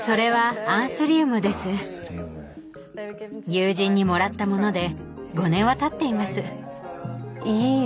友人にもらったモノで５年はたっています。